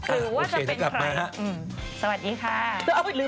หรือว่าจะเป็นใคร